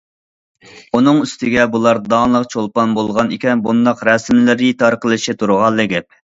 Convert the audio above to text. ئۇنىڭ ئۈستىگە بۇلار داڭلىق چولپان بولغان ئىكەن بۇنداق رەسىملىرى تارقىلىشى تۇرغانلا گەپ.